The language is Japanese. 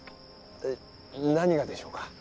え何がでしょうか？